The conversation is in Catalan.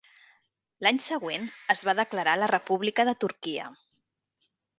L'any següent es va declarar la República de Turquia.